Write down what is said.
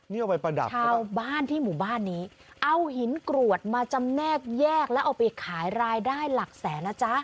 ชาวบ้านที่หมู่บ้านนี้เอาหินกรวดมาจำแนกแยกแล้วเอาไปขายรายได้หลักแสนอ่ะจ๊ะ